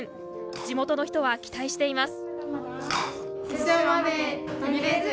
地元の人は期待しています。